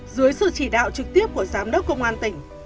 dưới sự chỉ đạo trực tiếp của giám đốc công an tỉnh